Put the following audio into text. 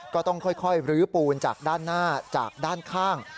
ก็ต้องค่อยรื้อปูนจากด้านหน้าจากด้านข้าง